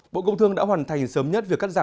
bộ công thương đã hoàn thành sớm nhất việc cắt giảm